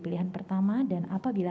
pilihan pertama dan apabila